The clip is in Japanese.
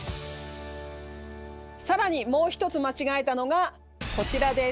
更にもう一つ間違えたのがこちらです。